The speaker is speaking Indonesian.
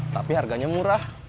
tapi harganya murah